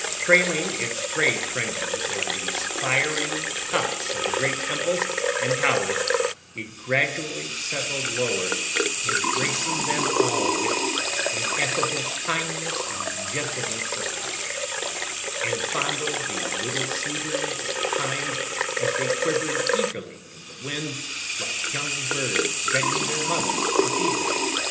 Trailing its gray fringes over the spiry tops of the great temples and towers, it gradually settled lower, embracing them all with ineffable kindness and gentleness of touch, and fondled the little cedars and pines as they quivered eagerly in the wind like young birds begging their mothers to feed them.